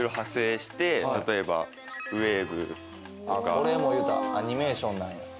これもいうたらアニメーションなんや。